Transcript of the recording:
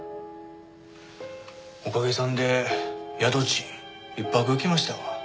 おかげさんで宿賃一泊浮きましたわ。